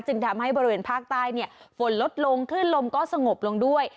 จึงทำให้บริเวณภาคใต้ฝนลดลงคลื่นลมก็สงบลงด้วย